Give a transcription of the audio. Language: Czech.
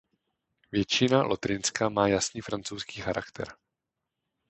Většina Lotrinska má jasný francouzský charakter.